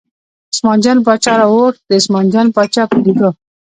عثمان جان باچا راواوښت، د عثمان جان باچا په لیدو.